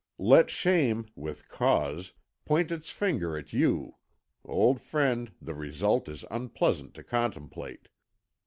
Let shame, with cause, point its finger at you old friend, the result is unpleasant to contemplate.